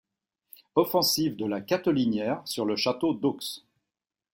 Offensive de La Cathelinière sur le château d'Aux.